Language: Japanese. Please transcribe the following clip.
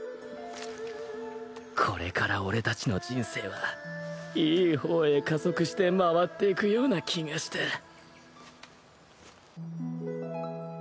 これから俺たちの人生はいい方へ加速して回っていくような気がした